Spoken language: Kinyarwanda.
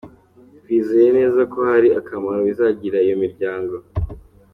Twizeye neza ko hari akamaro bizagirira iyo miryango.